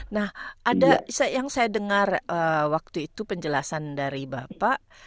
nah ada yang saya dengar waktu itu penjelasan dari bapak